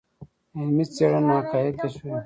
علمي څېړنه حقایق کشفوي.